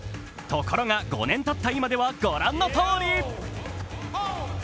ところが、５年たった今ではご覧のとおり。